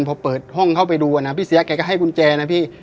พอเปิดห้องเข้าไปดูนะพี่เสียแกก็ให้กุญแจนะพี่